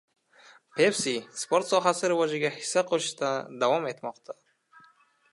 Pepsi sport sohasi rivojiga hissa qo‘shishda davom etmoqda